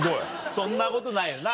そんなことないよな。